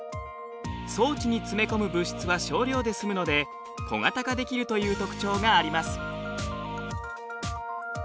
装置に詰め込む物質は少量で済むので小型化できるという特徴があります。